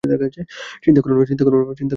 চিন্তা কোরো না, পন্নি।